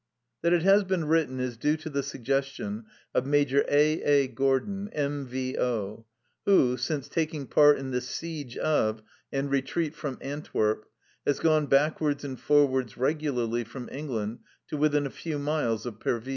That it has been written is due to the suggestion of Major A . A. Gordon, M. V.O., who, since taking part in the siege of, and retreat from, Antwerp, has gone backwards and forwards regularly from England to within a few miles of Pervyse.